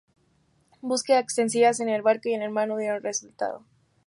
Búsqueda extensivas en el barco y en el mar no dieron resultado.